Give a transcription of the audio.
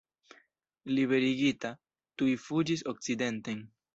Liberigita, tuj fuĝis okcidenten.